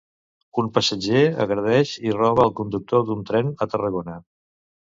Un passatger agredeix i roba al conductor d'un tren a Tarragona.